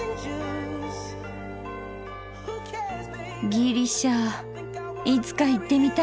ギリシャいつか行ってみたいな。